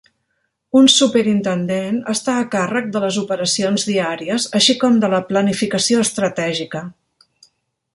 Un superintendent està a càrrec de les operacions diàries, així com de la planificació estratègica.